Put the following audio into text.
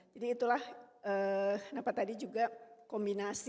jadi itulah kenapa tadi juga kombinasi